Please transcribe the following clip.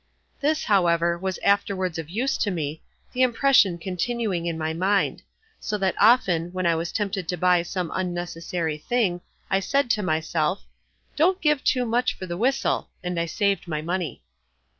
This, however, was afterwards of use to me, the impression continuing in my mind; so that often, when I was tempted to buy some unnecessary thing, I said to myself: "Don't give too much for the whistle;" and I saved my money.